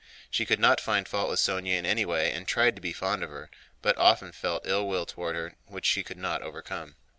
She could not find fault with Sónya in any way and tried to be fond of her, but often felt ill will toward her which she could not overcome.